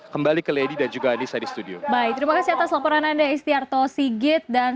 kembali ke lady dan juga anissa di studio baik terima kasih atas laporan anda istiarto sigit dan